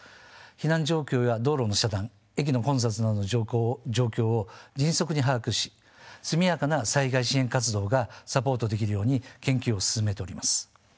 避難状況や道路の遮断駅の混雑などの状況を迅速に把握し速やかな災害支援活動がサポートできるように研究を進めております。